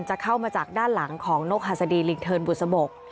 จะเข้ามาจากด้านหลังของนกหัสดีลิงเทินบุษบก